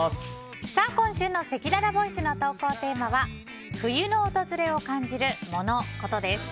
今週のせきららボイスの投稿テーマは冬の訪れを感じるモノ・コトです。